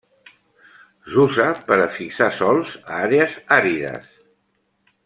S'usa per a fixar sòls a àrees àrides.